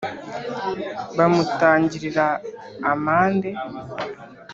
amutangirira amande